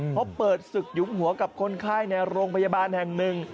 เขาเปิดศึกหยุมหัวกับคนไข้ในโรงพยาบาลแห่งหนึ่ง